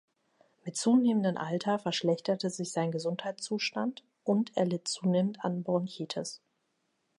Mit zunehmendem Alter verschlechterte sich sein Gesundheitszustand, und er litt zunehmend an Bronchitis.